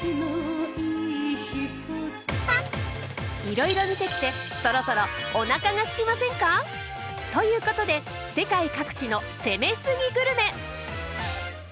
いろいろ見てきてそろそろおなかがすきませんか？ということで世界各地の「攻めすぎ！？グルメ」！